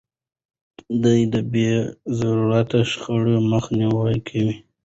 ده د بې ضرورته شخړو مخه نيوله.